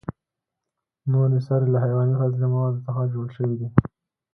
نورې سرې له حیواني فاضله موادو څخه جوړ شوي دي.